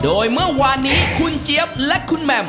โดยเมื่อวานนี้คุณเจี๊ยบและคุณแหม่ม